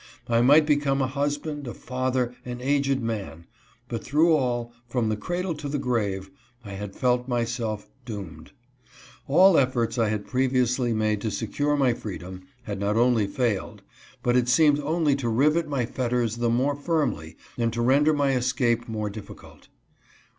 I might become a husband, a father, an aged man, but through all, from the cradle to the grave, I had felt myself doomed. All efforts I had previously made to secure my freedom, had not only failed, but had seemed only to rivet my fetters the more firmly and to render my escape more difficult.